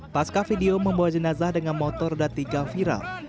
pasca video membawa jenazah dengan motor dan tiga viral